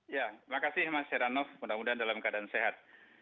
ya makasih mas heranov mudah mudahan dalam keadaan sehat